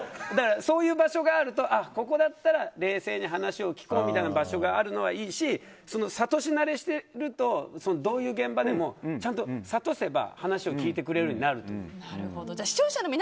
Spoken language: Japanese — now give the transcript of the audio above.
そういう場所があるとあ、ここだったら冷静に話を聞こうみたいな場所があるのはいいし諭し慣れしてるとどういう現場でもちゃんと諭せば話を聞いてくれるようになると思う。